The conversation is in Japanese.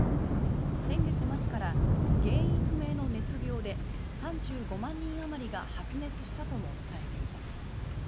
先月末から原因不明の熱病で３５万人あまりが発熱したとも伝えています。